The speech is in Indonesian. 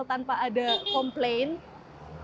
ketika acara itu selesai dan berhasil